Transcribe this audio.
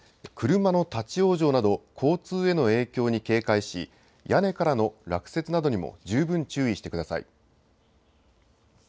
車の立往生など、交通への影響に警戒し屋根からの落雪などにも十分注意してください。